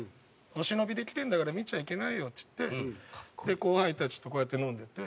お忍びで来てんだから見ちゃいけないよっつってで後輩たちとこうやって飲んでて。